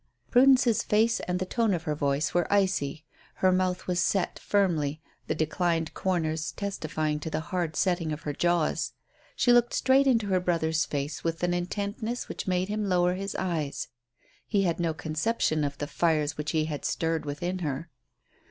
Prudence's face and the tone of her voice were icy. Her mouth was set firmly, the declined corners testifying to the hard setting of her jaws. She looked straight into her brother's face with an intentness which made him lower his eyes. He had no conception of the fires which he had stirred within her.